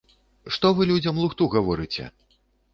Што вы людзям лухту гаворыце?!